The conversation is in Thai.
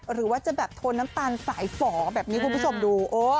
หรือว่าจะแบบโทนน้ำตาลสายฝ่อแบบนี้คุณผู้ชมดู